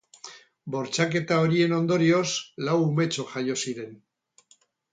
Bortxaketa horien ondorioz, lau umetxo jaio ziren.